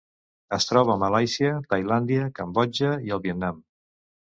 Es troba a Malàisia, Tailàndia, Cambodja i el Vietnam.